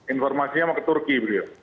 informasinya mau ke turki beliau